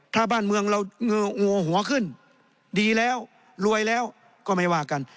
ถ้าบ้านเมืองเรางัวหัวขึ้นดีแล้วรวยแล้วก็ไม่ว่ากัน